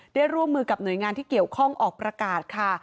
ร่วมมือกับหน่วยงานที่เกี่ยวข้องออกประกาศค่ะ